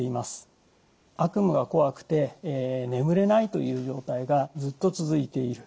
悪夢がこわくて眠れないという状態がずっと続いている。